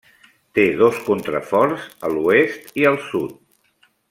Té dos contraforts a l'oest i al sud.